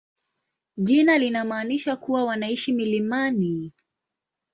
Jina linamaanisha kuwa wanaishi milimani.